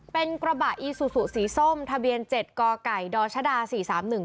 เป็นกระบะอีซูซูสีส้มทะเบียนเจ็ดกไก่ดชดาสี่สามหนึ่ง